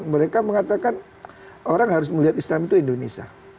mereka mengatakan orang harus melihat islam itu indonesia